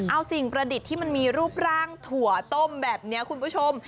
เอาสิ่งประดิษฐ์ที่มันมีรูปร่างถั่วต้มแบบนี้คุณผู้ชม